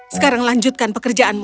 sekarang lanjutkan pekerjaanmu